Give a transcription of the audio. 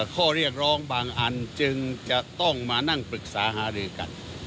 ข้อเรียกร้องบางอันจึงจะต้องมานั่งปรึกษาหารือกัน